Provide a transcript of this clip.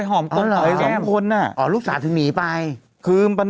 เออมันแบบ